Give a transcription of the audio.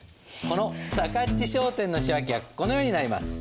このさかっち商店の仕訳はこのようになります。